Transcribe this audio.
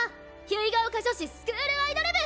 結ヶ丘女子スクールアイドル部！